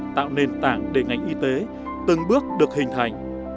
tạo nền tảng để ngành y tế từng bước được hình thành